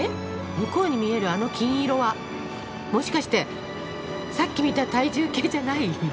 向こうに見えるあの金色はもしかしてさっき見た体重計じゃない？